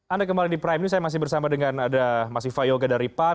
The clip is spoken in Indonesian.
anda kembali di prime news saya masih bersama dengan ada mas iva yoga dari pan